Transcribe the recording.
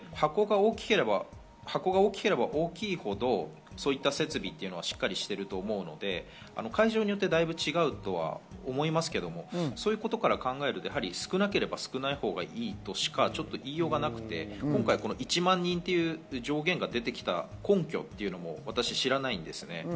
箱が大きければ大きいほどそういった設備はしっかりしてると思うので、会場によってだいぶ違うとは思いますけども、そういうことから考えると少なければ少ないほどいいとしか言いようがなくて今回１万人という上限が出てきた根拠は私は知らないんですね。